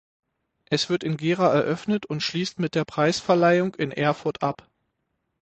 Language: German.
Es wird in Gera eröffnet und schließt mit der Preisverleihung in Erfurt ab.